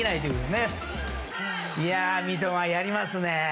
いやあ、三笘やりますね。